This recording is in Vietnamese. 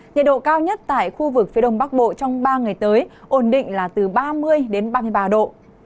nhiệt độ cao nhất tại khu vực phía đông bắc bộ trong ba ngày tới ổn định là từ ba mươi ba mươi ba độ